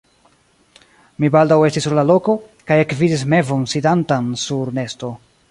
Mi baldaŭ estis sur la loko, kaj ekvidis mevon sidantan sur nesto.